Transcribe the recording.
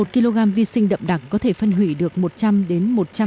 một kg vi sinh đậm đặc có thể phân hủy được một trăm linh một trăm năm mươi tấn